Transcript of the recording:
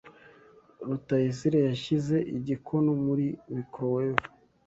Rutayisire yashyize igikono muri microwave